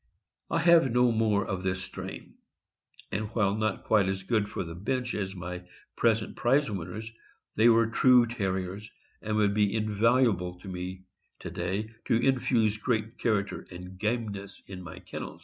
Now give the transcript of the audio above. I have no more of this strain; and while not quite as good for the bench as my present prize winners, they were true Terriers, and would be invaluable to me to day to infuse great character and gameness in my kennels.